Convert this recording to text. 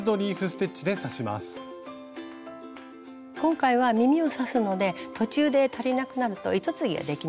今回は耳を刺すので途中で足りなくなると糸継ぎができないんですね。